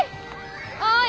おい！